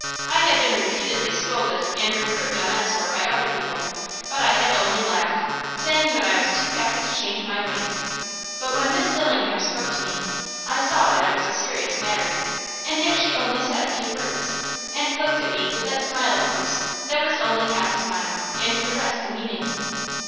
I had been repeatedly scolded and reproved on that score by other people, but I had only laughed, saying that I was too happy to change my ways. But when Miss Dillingham spoke to me, I saw that it was a serious matter; and yet she only said a few words, and looked at me with that smile of hers that was only half a smile, and the rest a meaning.